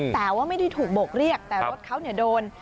แต่ว่าไม่ได้ถูกโบกเรียกแต่รถเขาโดน